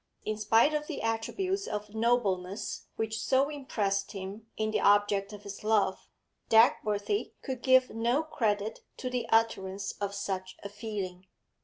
In spite of the attributes of nobleness which so impressed him in the object of his love, Dagworthy could give no credit to the utterance of such a feeling.